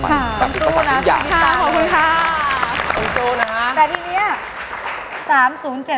สู้นะขอบคุณค่ะขอบคุณค่ะสู้นะครับ